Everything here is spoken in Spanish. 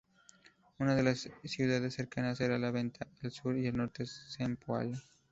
Una de las ciudades cercanas era La Venta, al sur y, al norte, Cempoala.